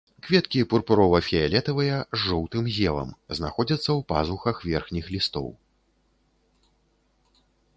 Кветкі пурпурова-фіялетавыя, з жоўтым зевам, знаходзяцца ў пазухах верхніх лістоў.